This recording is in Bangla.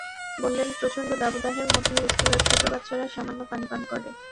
বললেন, প্রচণ্ড দাবদাহের মধ্যেও স্কুলের ছোট বাচ্চারা সামান্য পানি পান করে।